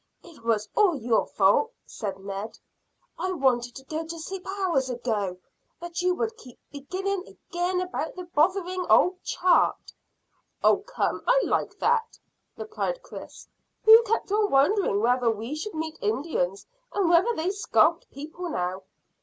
"It was all your fault," said Ned. "I wanted to go to sleep hours ago, but you would keep beginning again about the bothering old chart." "Oh come, I like that!" replied Chris. "Who kept on wondering whether we should meet Indians, and whether they scalped people now!"